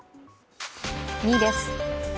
２位です。